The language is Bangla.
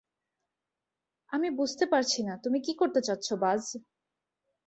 আমি বুঝতে পারছি না, তুমি কী করতে চাচ্ছো, বায!